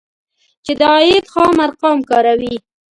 چې د عاید خام ارقام کاروي